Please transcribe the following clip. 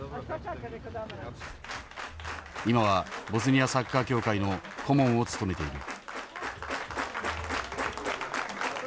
今はボスニアサッカー協会の顧問を務めている。